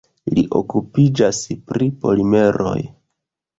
Li okupiĝas pri polimeroj.